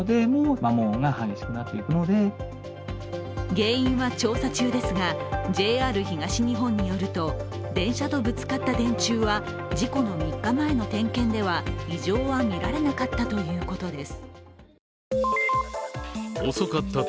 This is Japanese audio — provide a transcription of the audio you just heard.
原因は調査中ですが、ＪＲ東日本によると電車とぶつかった電柱は事故の３日前の点検では異常は見られなかったということです。